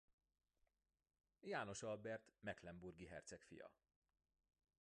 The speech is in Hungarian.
János Albert mecklenburgi herceg fia.